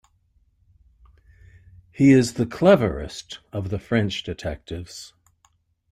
He is the cleverest of the French detectives.